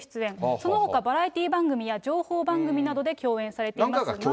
そのほか、バラエティー番組や情報番組などで共演されていますが。